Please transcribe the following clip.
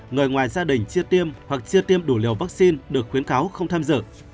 người ngoài gia đình chia tiêm hoặc chia tiêm đủ liều vaccine được khuyến kháo không tham dự